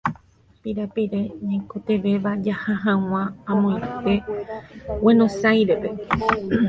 Pirapire ñaikotevẽva jaha hag̃ua amoite Guenosáirepe.